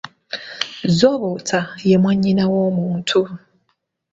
Zooboota ye mwannyina w’omuntu.